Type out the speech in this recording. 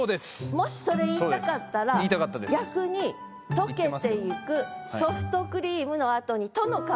もしそれ言いたかったら逆に「溶けてゆくソフトクリーム」のあとに中黒点か。